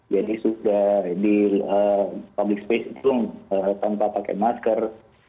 jadi sudah di public space itu tanpa pakai masker